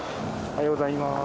おはようございます。